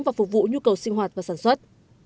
và phục vụ nhu cầu sinh hoạt và sản xuất